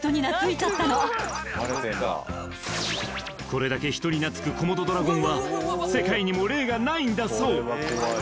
これだけ人になつくコモドドラゴンは世界にも例がないんだそう